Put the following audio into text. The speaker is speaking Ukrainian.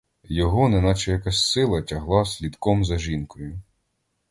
Його неначе якась сила тягла слідком за жінкою.